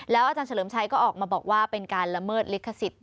อาจารย์เฉลิมชัยก็ออกมาบอกว่าเป็นการละเมิดลิขสิทธิ